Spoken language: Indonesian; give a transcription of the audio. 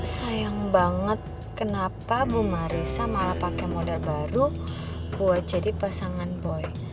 sayang banget kenapa bu marissa malah pake moda baru buat jadi pasangan boy